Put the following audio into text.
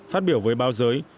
phát biểu với báo giới